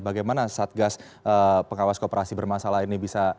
bagaimana satgas pengawas kooperasi bermasalah ini bisa